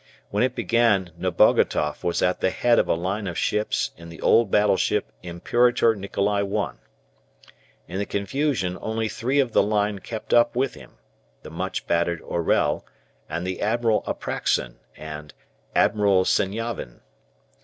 When it began Nebogatoff was at the head of a line of ships in the old battleship "Imperator Nikolai I." In the confusion only three of the line kept up with him, the much battered "Orel" and the "Admiral Apraxin" and "Admiral Senyavin."